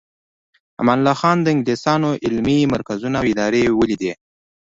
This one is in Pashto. امان الله خان د انګلیسانو علمي مرکزونه او ادارې ولیدې.